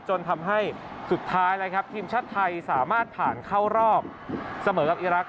จนทำให้สุดท้ายนะครับทีมชาติไทยสามารถผ่านเข้ารอบเสมอกับอีรักษ